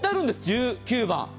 １９番。